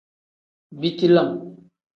Biti lam.